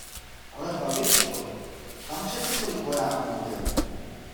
Ale babičko, kam přece tolik vojáků jde?